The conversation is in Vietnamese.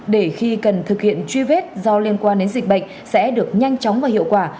để khi cần thực hiện truy vết do liên quan đến dịch bệnh sẽ được nhanh chóng và hiệu quả